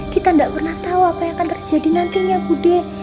kita nggak pernah tahu apa yang akan terjadi nantinya bude